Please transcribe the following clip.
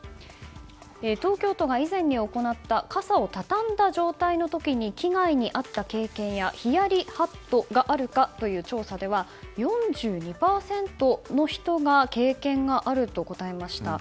東京都が以前に行った傘を畳んだ状態の時に被害にあった経験やヒヤリ・ハットがあるかという調査では４２％の人が経験があると答えました。